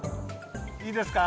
いいですか？